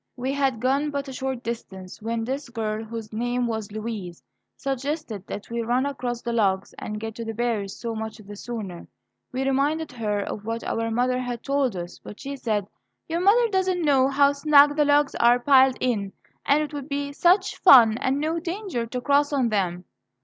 We had gone but a short distance when this girl, whose name was Louise, suggested that we run across the logs, and get to the berries so much the sooner. We reminded her of what our mother had told us; but she said, "Your mother does not know how snug the logs are piled in, and that it would be such fun, and no danger, to cross on them."